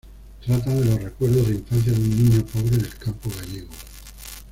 Trata de los recuerdos de infancia de un niño pobre del campo gallego.